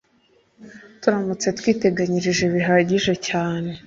Turamutse twiteganyirije bihagije cyane